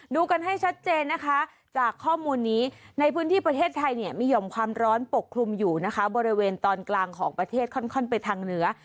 ดูกันให้ชัดเจนนะคะจากข้อมูลนี้ในพื้นที่ประเทศไทยเนี่ยมีห่อมความร้อนปกคลุมอยู่นะคะบริเวณตอนกลางของประเทศค่อนไปทางเหนือ